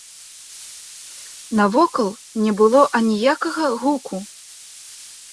Навокал не было аніякага гуку.